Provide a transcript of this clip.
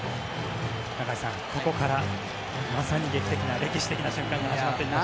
中居さん、ここからまさに劇的な、歴史的な瞬間が始まっていきます。